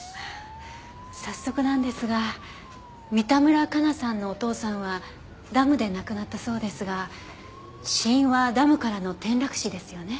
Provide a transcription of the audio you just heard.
早速なんですが三田村加奈さんのお父さんはダムで亡くなったそうですが死因はダムからの転落死ですよね？